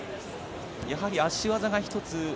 やはり足技が１つ。